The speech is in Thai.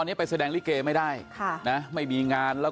ก่อนที่จะก่อเหตุนี้นะฮะไปดูนะฮะสิ่งที่เขาได้ทิ้งเอาไว้นะครับ